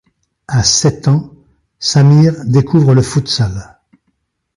À sept ans, Samir découvre le futsal.